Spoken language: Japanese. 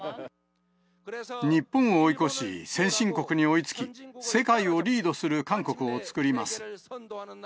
日本を追い越し、先進国に追いつき、世界をリードする韓国を作ります。